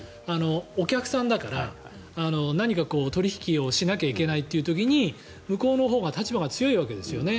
お客さんだから何か取引をしなきゃいけない時に向こうのほうが立場が強いわけですよね。